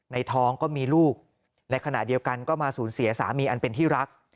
ท้องก็มีลูกในขณะเดียวกันก็มาสูญเสียสามีอันเป็นที่รัก